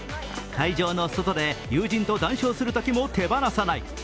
会場の外で友人と談笑するときも手放さない。